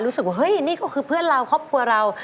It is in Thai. เฮ้ยนี่ก็คือเพื่อนเราครอบครัวเรา